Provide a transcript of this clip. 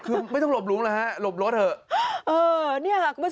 คือไม่ต้องหลบหลุมล่ะฮะหลบรถเหอะ